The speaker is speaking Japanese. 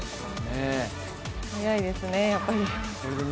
速いですね、やっぱり。